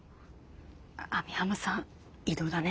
網浜さん異動だね。